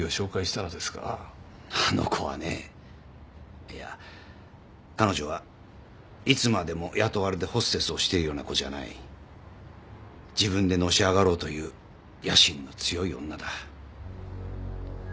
あの子はねいや彼女はいつまでも雇われでホステスをしているような子じゃない自分でのし上がろうという野心の強い女だ